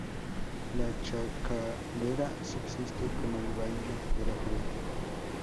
La chacarera subsiste como el baile de la juventud.